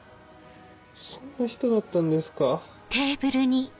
そんな人だったんですか？